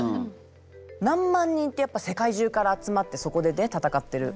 何万人ってやっぱ世界中から集まってそこでねたたかってる。